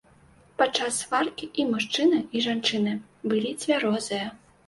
Падчас сваркі і мужчына, і жанчына былі цвярозыя.